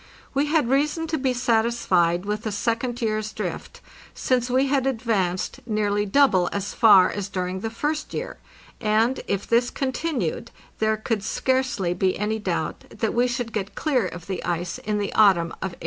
We had reason to be satisfied with the second year's drift, since we had advanced nearly double as far as during the first year, and, if this continued, there could scarcely be any doubt that we should get clear of the ice in the autumn of 1896.